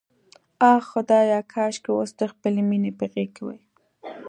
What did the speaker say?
آه خدایه، کاشکې اوس د خپلې مینې په غېږ کې وای.